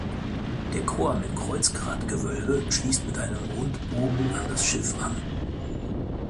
Der Chor mit Kreuzgratgewölbe schließt mit einem Rundbogen an das Schiff an.